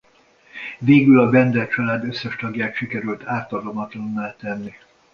Végül a Bender család összes tagját sikerül ártalmatlanná tenni.